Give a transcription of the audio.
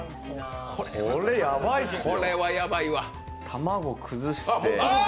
卵、崩して。